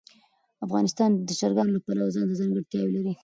افغانستان د چرګانو له پلوه ځانته ځانګړتیا لري.